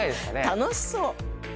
楽しそう。